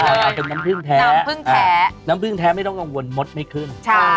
อาจจะเป็นน้ำพึ่งแท้น้ำพึ่งแท้ไม่ต้องกังวลมดไม่ขึ้น